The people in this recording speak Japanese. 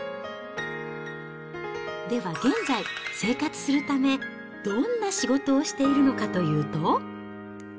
では現在、生活するため、どんな仕事をしているのかというと。